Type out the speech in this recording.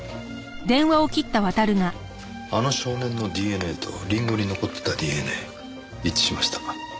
あの少年のＤＮＡとりんごに残ってたＤＮＡ一致しました。